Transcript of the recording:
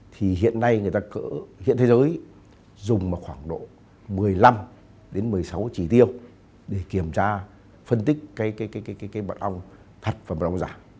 thì hiện nay người ta cỡ hiện thế giới dùng khoảng độ một mươi năm đến một mươi sáu trí tiêu để kiểm tra phân tích cái mật ong thật và mật ong giả